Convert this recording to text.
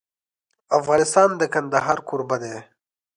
افغانستان د کندهار کوربه دی.